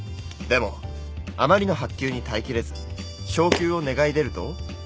でもあまりの薄給に耐えきれず昇給を願い出ると。